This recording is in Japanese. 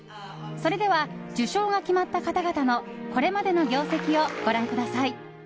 それでは、受賞が決まった方々のこれまでの業績をご覧ください。